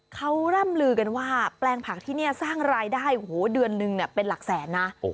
เขาร่ำลือกันว่าแปลงผักที่นี่สร้างรายได้เดือนนึงเป็นหลักแสนนะ